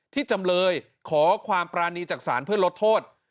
จำเลยขอความปรานีจากศาลเพื่อลดโทษ